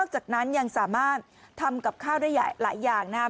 จากนั้นยังสามารถทำกับข้าวได้หลายอย่างนะครับ